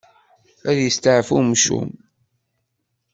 Ad yesteɛfu wemcum.